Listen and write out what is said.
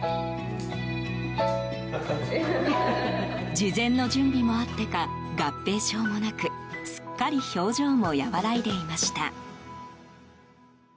事前の準備もあってか合併症もなくすっかり表情も和らいでいました。